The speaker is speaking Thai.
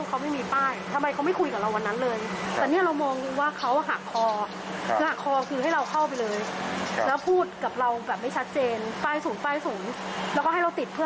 เขาจะได้จบงานเขา